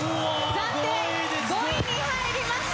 暫定５位に入りました！